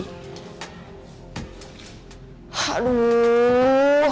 kasi uang ke bagas kan bagas digaji sama papi